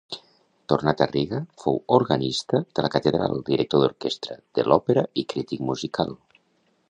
Tornat a Riga, fou organista de la catedral, director d'orquestra de l'òpera i crític musical.